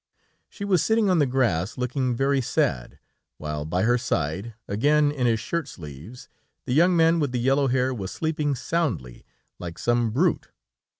She was sitting on the grass, looking very sad, while by her side, again in his shirt sleeves the young man with the yellow hair was sleeping soundly, like some brute.